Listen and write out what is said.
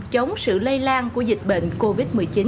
chống sự lây lan của dịch bệnh covid một mươi chín